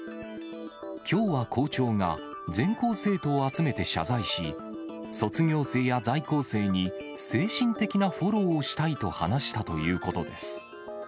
きょうは校長が、全校生徒を集めて謝罪し、卒業生や在校生に精神的なフォローをしたいと話したということです。